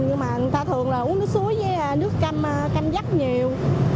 nhưng mà người ta thường là uống nước suối với nước canh giấc nhiều